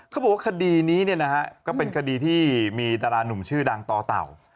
เขาบอกว่าคดีนี้ก็เป็นคดีที่มีดารานุ่มชื่อดังต่อเต่า